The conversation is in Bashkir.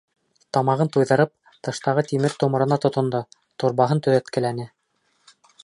Тамағын туйҙырып, тыштағы тимер-томорона тотондо, торбаһын төҙәткеләне.